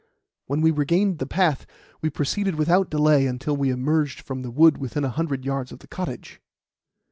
When we regained the path we proceeded without delay until we emerged from the wood within a hundred yards of the cottage.